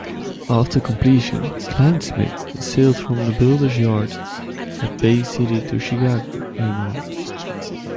After completion, "Kleinsmith" sailed from the builder's yard at Bay City to Chicago, Illinois.